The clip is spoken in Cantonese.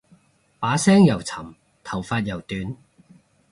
把聲又沉頭髮又短